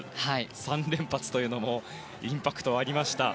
３連発というのもインパクトありました。